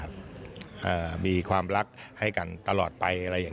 มีความรักให้กันตลอดไปอะไรอย่างนี้